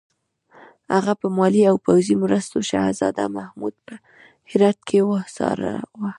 هغه په مالي او پوځي مرستو شهزاده محمود په هرات کې وهڅاوه.